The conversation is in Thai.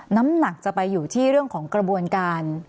น้ำหนักจะไปอยู่ที่เรื่องของกระบวนการ